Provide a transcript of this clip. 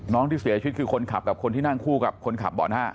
น้องที่เสียชุดคือคนขับกับคนที่นั่งคู่กับคนขับบ่อนห้า